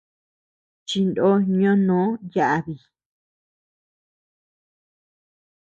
Chindo ñonó yabi.